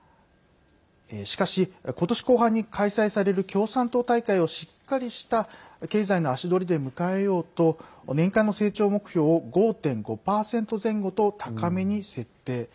しかし、ことし後半に開催される共産党大会をしっかりした経済の足取りで迎えようと年間の成長目標を５．５％前後と高めに設定。